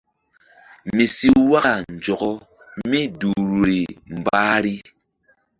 Mi si waka nzɔkɔ mí duhruri mbahri.